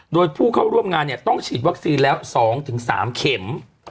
โดยผู้เข้าร่วมงานต้องฉีดวัคซีนแล้ว๒๓เข็ม